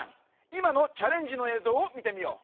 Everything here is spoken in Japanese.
いまのチャレンジの映像をみてみよう！